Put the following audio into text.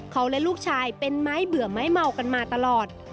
เขาและลูกชายเป็นไม้เบื่อไม้เมากันมาตลอด